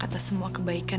atas semua kebaikan